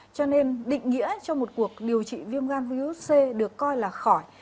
cho nên định nghĩa cho một cuộc điều trị viêm gan viếu út c được coi là khỏi